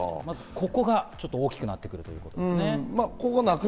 ２番が大きくなってくるということですね。